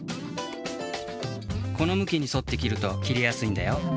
このむきにそってきるときりやすいんだよ。